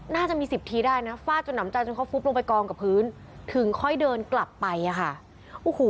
น่าจะมีสิบทีได้นะฟาดจนหนำใจจนเขาฟุบลงไปกองกับพื้นถึงค่อยเดินกลับไปอ่ะค่ะโอ้โห